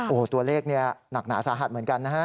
โอ้โหตัวเลขนี่หนักหนาสาหัสเหมือนกันนะฮะ